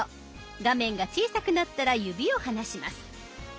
画面が小さくなったら指を離します。